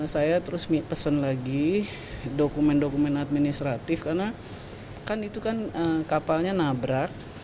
saya terus pesen lagi dokumen dokumen administratif karena kan itu kan kapalnya nabrak